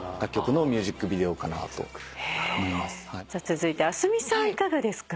続いて明日海さんいかがですか？